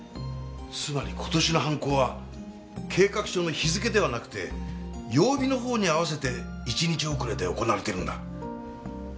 つまり今年の犯行は計画書の日付ではなくて曜日の方に合わせて１日遅れで行われているんだ。